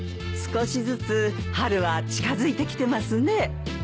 少しずつ春は近づいてきてますね。